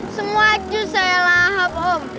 semua jus saya lahap om